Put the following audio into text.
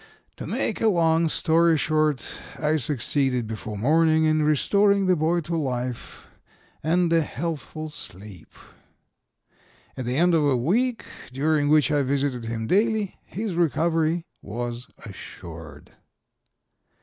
To make a long story short, I succeeded before morning in restoring the boy to life and a healthful sleep. At the end of a week, during which I visited him daily, his recovery was assured.